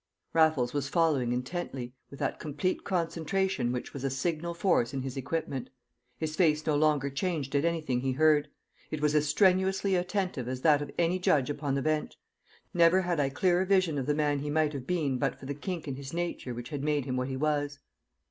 Raffles was following intently, with that complete concentration which was a signal force in his equipment. His face no longer changed at anything he heard; it was as strenuously attentive as that of any judge upon the bench. Never had I clearer vision of the man he might have been but for the kink in his nature which had made him what he was.